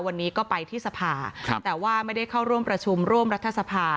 วันนี้ก็ไปที่สภาแต่ว่าไม่ได้เข้าร่วมประชุมร่วมรัฐสภา